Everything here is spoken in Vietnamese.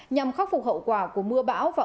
nhằm khắc phục hậu quả của mưa bão và